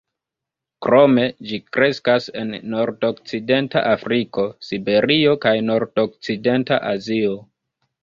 Krome ĝi kreskas en nordokcidenta Afriko, Siberio kaj nordokcidenta Azio.